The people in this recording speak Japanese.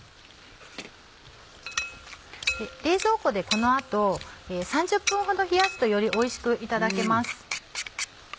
冷蔵庫でこの後３０分ほど冷やすとよりおいしくいただけます。